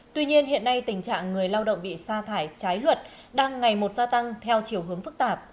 tuy nhiên hiện nay tình trạng người lao động bị xa thải trái luật đang ngày một gia tăng theo chiều hướng phức tạp